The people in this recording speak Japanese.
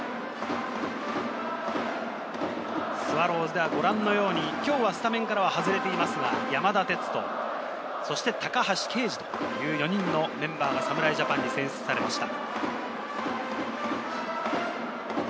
スワローズではご覧のように今日はスタメンから外れていますが、山田哲人、そして高橋奎二という４人のメンバーが侍ジャパンに選出されました。